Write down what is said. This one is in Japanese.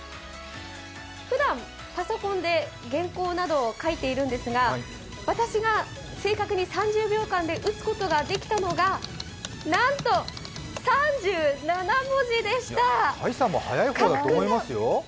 ふだんパソコンで原稿などを書いているんですが私が正確に３０秒間で打つことができたのがなんと３７文字でした。